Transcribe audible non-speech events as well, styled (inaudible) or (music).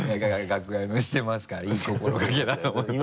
楽屋でしてますからいい心がけだと思います (laughs)